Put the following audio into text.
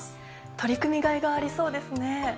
取り組みがいがありそうですね。